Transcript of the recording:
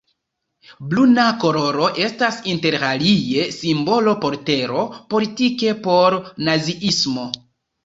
Bruna koloro estas interalie simbolo por tero; politike por naziismo.